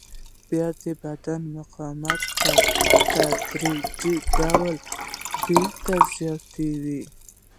بیا د بدن مقاومت په تدریجي ډول بېرته زیاتوي.